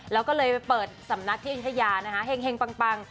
แล้วก็เลยไปเปิดสำนักที่อยุธยานะคะเห็งปัง